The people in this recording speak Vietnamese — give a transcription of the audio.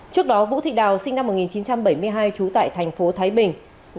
trước đó vũ thị đào sinh năm một nghìn chín trăm bảy mươi hai trú tại thành phố thái bình